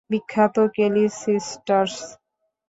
বিখ্যাত Kelly sisters!